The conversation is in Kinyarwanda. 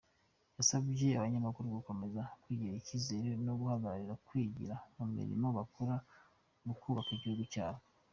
Yasabye abanyamakuru gukomeza kwigirira icyizere no guharanira kwigira mu mirimo bakora, bubaka igihugu cyabo.